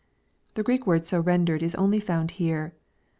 ] The Greek word so rendered is only found here.